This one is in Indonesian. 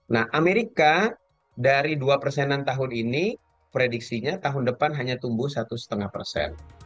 nah amerika dari dua persenan tahun ini prediksinya tahun depan hanya tumbuh satu lima persen